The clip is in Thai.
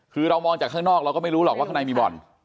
คือเรามองจากข้างนอกเราก็ไม่รู้หรอกว่าข้างในมีบ่อน